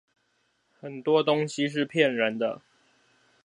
很多東西是騙人的